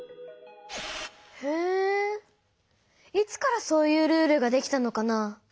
へえいつからそういうルールができたのかな？